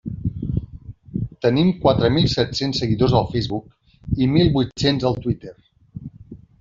Tenim quatre mil set-cents seguidors al Facebook i mil vuit-cents al Twitter.